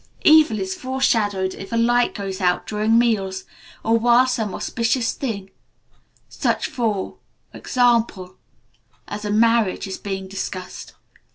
Evil is foreshadowed if a light goes out during meals, or while some auspicious thing, such, for example, as a marriage, is being discussed.